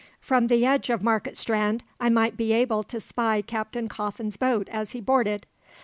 From the edge of Market Strand I might be able to spy Captain Coffin's boat as he boarded.